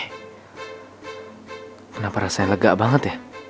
kenapa rasanya lega banget ya